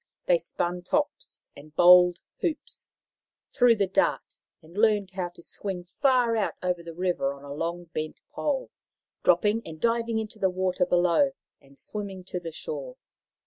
They spun tops and bowled hoops, threw the dart, and learned how to swing far out over the river on a long bent pole, dropping and diving into the water below and swimming to the shore.